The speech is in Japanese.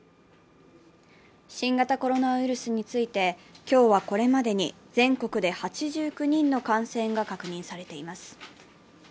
新型コロナウイルスについて、今日はこれまでに全国で８９人の感染が確認されています。